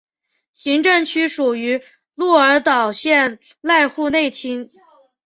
行政区属于鹿儿岛县濑户内町。